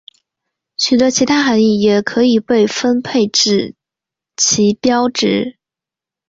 许多其他含意也可以被分配至旗标值。